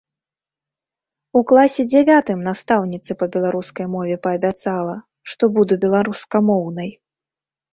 У класе дзявятым настаўніцы па беларускай мове паабяцала, што буду беларускамоўнай.